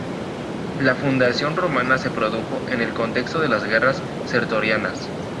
La fundación romana se produjo en el contexto de las Guerras Sertorianas.